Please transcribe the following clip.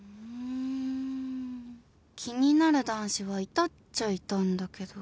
気になる男子はいたっちゃいたんだけど